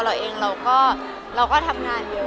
เราเองเราก็ทำงานเยอะเราก็ทราบอยู่